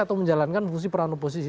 atau menjalankan fungsi peran oposisi